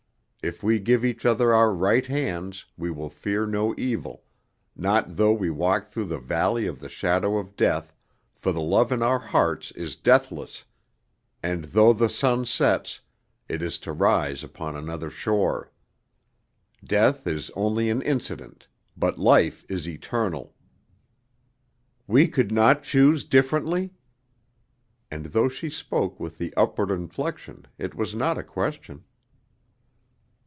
If we give each other our right hands, we will fear no evil, not though we walk through the valley of the shadow of death, for the love in our hearts is deathless, and though the sun sets, it is to rise upon another shore. Death is only an incident, but life is eternal." "We could not choose differently?" And though she spoke with the upward inflection it was not a question.